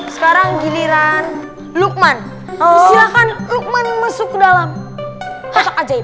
sekarang giliran lukman silahkan lukman masuk ke dalam ajaib